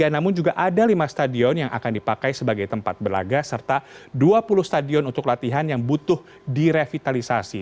namun juga ada lima stadion yang akan dipakai sebagai tempat berlaga serta dua puluh stadion untuk latihan yang butuh direvitalisasi